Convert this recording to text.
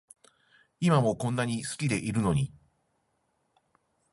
今もこんなに好きでいるのに